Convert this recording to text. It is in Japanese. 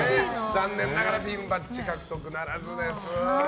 残念ながらピンバッジ獲得ならずです。